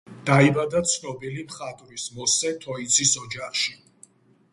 დაიბადა ცნობილი მხატვრის მოსე თოიძის ოჯახში.